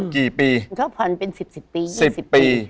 กี่ปีเขาผ่อนเป็น๑๐ปี